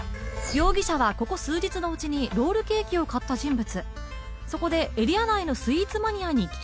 容疑者はここ数日のうちにロールケーキを買った人物